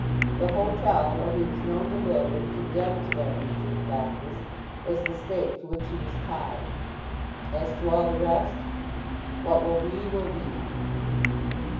The hotel where he was known to live when condemned to that region of blackness, was the stake to which he was tied. As to all the rest—What will be, will be.